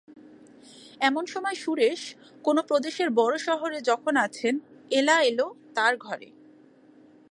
এমন সময় সুরেশ কোনো প্রদেশের বড়ো শহরে যখন আছেন এলা এল তাঁর ঘরে